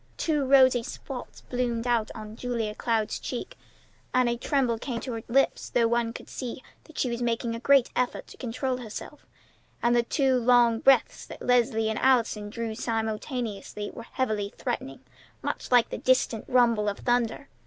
Two rosy spots bloomed out on Julia Cloud's cheeks, and a tremble came in her lips, though one could see she was making a great effort to control herself; and the two long breaths that Leslie and Allison drew simultaneously were heavily threatening, much like the distant rumble of thunder.